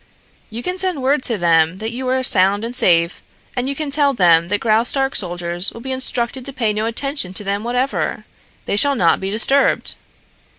"You can send word to them that you are sound and safe and you can tell them that Graustark soldiers shall be instructed to pay no attention to them whatever. They shall not be disturbed."